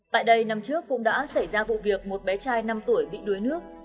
tại đây năm trước cũng đã xảy ra vụ việc một bé trai năm tuổi bị đuối nước